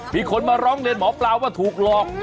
มีคนมาร้องเรียนหมอปลาว่าถูกหลอก